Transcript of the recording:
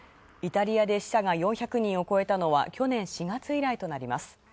イタリアで死者が４００人を超えたのは去年４月以来となる。